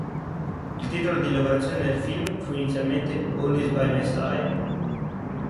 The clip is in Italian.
Il titolo di lavorazione del film fu inizialmente "All Is by My Side".